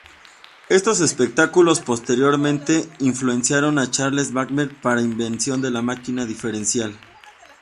Estos espectáculos posteriormente influenciaron a Charles Babbage para su invención de la máquina diferencial.